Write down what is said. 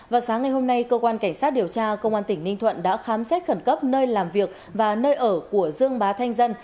vào sáng ngày hôm nay cơ quan cảnh sát điều tra công an tỉnh ninh thuận đã khám xét khẩn cấp nơi làm việc và nơi ở của dương bá thanh dân